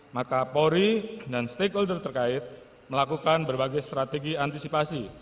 maka polri dan stakeholder terkait melakukan berbagai strategi antisipasi